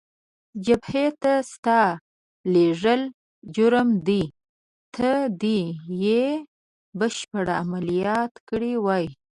جبهې ته ستا لېږل جرم دی، ته دې یې بشپړ عملیات کړی وای.